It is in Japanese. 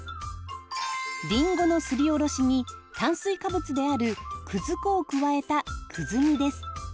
りんごのすりおろしに炭水化物であるくず粉を加えたくず煮です。